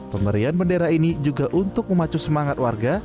pemberian bendera ini juga untuk memacu semangat warga